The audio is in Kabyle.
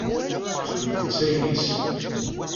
Ixdem deg-s ayen yessen.